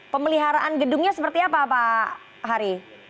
pemeliharaan gedungnya seperti apa pak hari